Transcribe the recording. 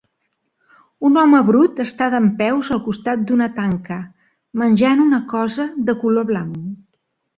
Un home brut està dempeus al costat d'una tanca, menjant una cosa de color blanc.